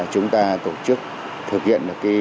chúng ta tổ chức thực hiện